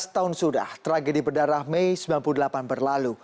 tujuh belas tahun sudah tragedi berdarah mei sembilan puluh delapan berlalu